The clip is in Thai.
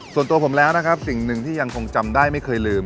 ส่วนตัวผมแล้วนะครับสิ่งหนึ่งที่ยังคงจำได้ไม่เคยลืม